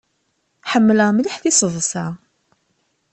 Ḥemmleɣ mliḥ tiseḍṣa.